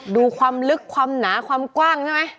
ดูความลึกความหนาความกว้างใช่ไหม